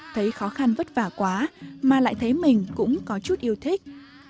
thấy khó khăn vất vả quá mà lại thấy mình cũng có chút yêu thích